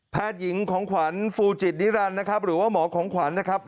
หญิงของขวัญฟูจิตนิรันดิ์นะครับหรือว่าหมอของขวัญนะครับ